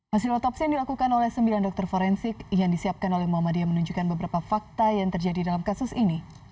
hasil otopsi yang dilakukan oleh sembilan dokter forensik yang disiapkan oleh muhammadiyah menunjukkan beberapa fakta yang terjadi dalam kasus ini